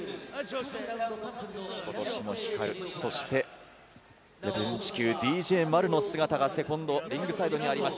今年もヒカル、てんちむＤＪまるの姿がセコンドリングサイドにあります。